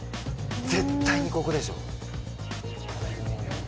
絶対にここでしょ。